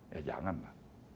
ya jangan lah